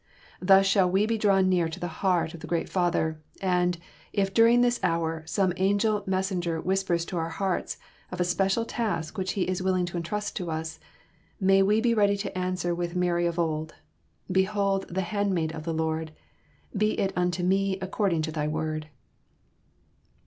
Thus shall we be drawn near to the heart of the great Father, and, if during this hour some angel messenger whispers to our hearts of a special task which He is willing to entrust to us, may we be ready to answer with Mary of old, "Behold the handmaid of the Lord; be it unto me according to thy word!"